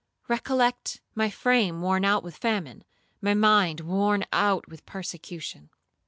Recollect my frame worn out with famine, my mind worn out with persecution.